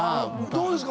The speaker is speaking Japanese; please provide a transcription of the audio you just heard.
どうですか？